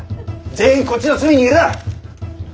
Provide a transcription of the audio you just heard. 全員こっちの隅にいろ。